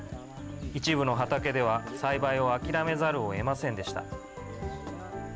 一部の畑では、栽培を諦めざるをえませんでした。